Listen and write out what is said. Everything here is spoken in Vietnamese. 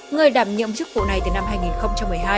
người đảm nhiệm chức vụ này từ năm hai nghìn một mươi hai